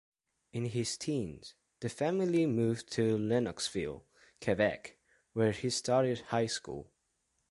In his teens, the family moved to Lennoxville, Quebec where he started high school.